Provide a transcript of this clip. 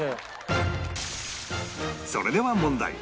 それでは問題